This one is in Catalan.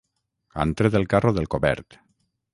Han tret el carro del cobert.